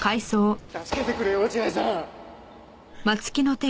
助けてくれよ落合さん！